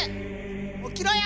起きろよ！